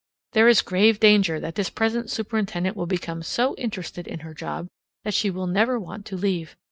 There is grave danger that this present superintendent will become so interested in her job that she will never want to leave.